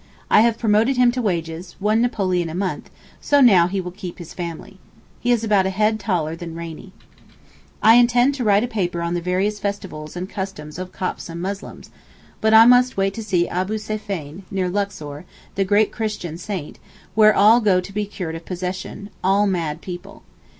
I have promoted him to wages—one napoleon a month—so now he will keep his family. He is about a head taller than Rainie. I intend to write a paper on the various festivals and customs of Copts and Muslims; but I must wait to see Abu Seyfeyn, near Luxor, the great Christian Saint, where all go to be cured of possession—all mad people.